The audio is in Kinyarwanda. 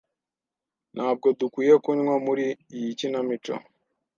Ntabwo dukwiye kunywa muri iyi kinamico.